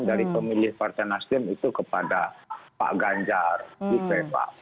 dari pemilih partai nasdem itu kepada pak ganjar di veva